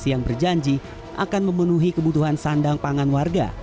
yang berjanji akan memenuhi kebutuhan sandang pangan warga